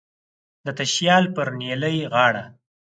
د تشیال پر نیلی غاړه